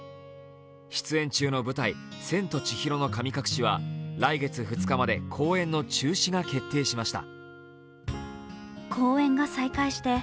出演中の舞台「千と千尋の神隠し」は来月２日まで公演の中止が決定しました。